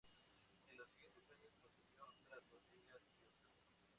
En los siguientes años consiguió otras dos Ligas y otra Copa.